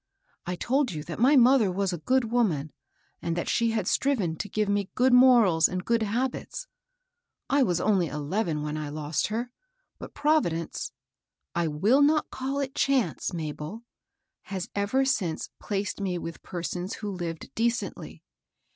I told you that my mother was a good woman, and that she had striven to give me good morals and good habits. I was only eleven when I lost her ; but Providence, — I will not call it chance^ Mabel, — had ever since placed me with persons who lived decently.